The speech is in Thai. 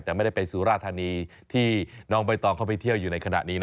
แต่ไม่ได้ไปสุราธานีที่น้องใบตองเข้าไปเที่ยวอยู่ในขณะนี้นะ